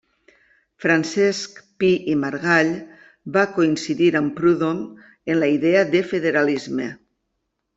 Francesc Pi i Margall va coincidir amb Proudhon en la idea de federalisme.